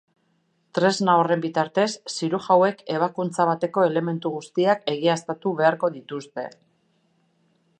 Tresna horren bitartez, zirujauek ebakuntza bateko elementu guztiak egiaztatu beharko dituzte.